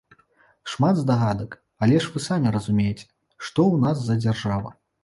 Шмат здагадак, але ж вы самі разумееце, што ў нас за дзяржава.